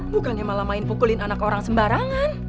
bukannya malah main pukulin anak orang sembarangan